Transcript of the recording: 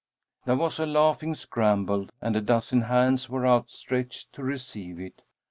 There was a laughing scramble and a dozen hands were outstretched to receive it.